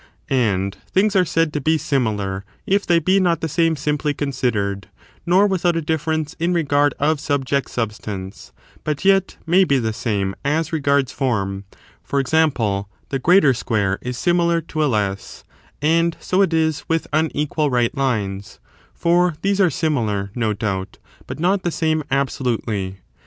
And things are said to be similar if they be not the same simply considered, nor without a difference in regard of subject substance, but yet may be the same as regards form ; for example, the greater square is similar to a less : and so it is with unequal right lines, for these are similar, no doubt, but not the sam^ absolutely.